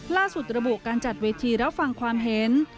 ล่าสุดระบุการจัดเวทีและฟังความเห็น